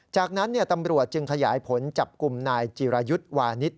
จากนั้นตำรวจจึงขยายผลจับกลุ่มนายจีรายุทธ์วานิส